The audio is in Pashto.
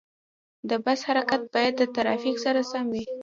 د بس حرکت باید د ترافیک سره سم وي.